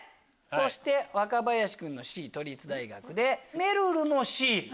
そして若林君がＣ都立大学でめるるもＣ？